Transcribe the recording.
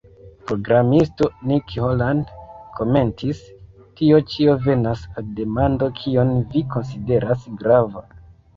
Programisto Nick Holland komentis: "Tio ĉio venas al demando kion vi konsideras grava.".